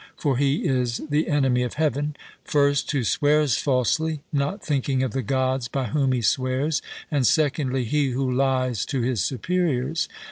For he is the enemy of heaven, first, who swears falsely, not thinking of the Gods by whom he swears, and secondly, he who lies to his superiors.